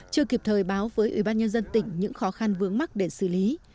chưa kịp thời báo với ubnd tỉnh những khó khăn vướng mắt để xử lý